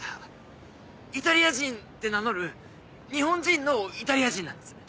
「イタリア人」って名乗る日本人の「イタリア人」なんです。